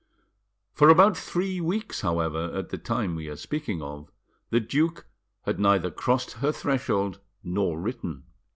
For about three weeks, however, at the time we are speaking of, the duke had neither crossed her threshold nor written.